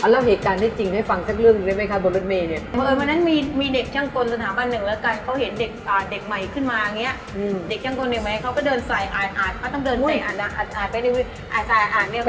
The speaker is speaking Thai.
เล่าเหตุการณ์ให้จริงให้ฟังสักเรื่องหนึ่งได้ไหมคะบนรถเมย์เนี่ย